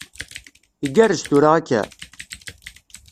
Igerrez tura akka?